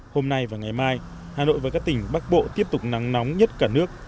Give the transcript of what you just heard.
hôm nay và ngày mai hà nội và các tỉnh bắc bộ tiếp tục nắng nóng nhất cả nước